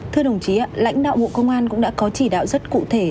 thưa đồng chí lãnh đạo bộ công an cũng đã có chỉ đạo rất cụ thể